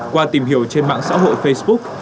qua tìm hiểu trên mạng xã hội facebook